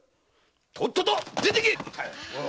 とっとと出てけ‼